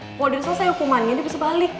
kalau udah selesai hukumannya dia bisa balik